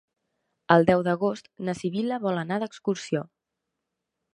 El deu d'agost na Sibil·la vol anar d'excursió.